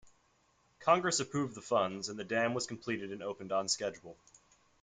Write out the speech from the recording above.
Congress approved the funds, and the dam was completed and opened on schedule.